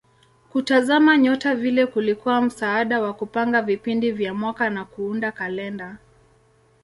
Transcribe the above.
Kutazama nyota vile kulikuwa msaada wa kupanga vipindi vya mwaka na kuunda kalenda.